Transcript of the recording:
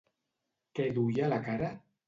Què duia a la cara?